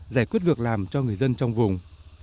giải quyết việc làm cho người dân trong vùng